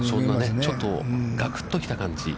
ちょっとがくっときた感じ。